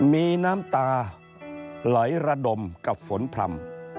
มีน้ำตาไหลระดมกับฝนพร่ำ